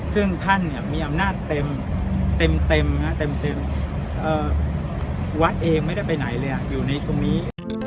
ซึ่งท่านมีอำนาจเต็มวัดเองไม่ได้ไปไหนเลยอยู่ในตรงนี้